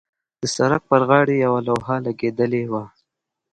د سړک پر غاړې یوه لوحه لګېدلې وه.